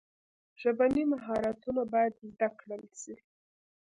ژبني مهارتونه باید زده کړل سي.